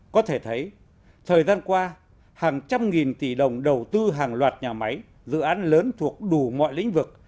có thể thấy thời gian qua hàng trăm nghìn tỷ đồng đầu tư hàng loạt nhà máy dự án lớn thuộc đủ mọi lĩnh vực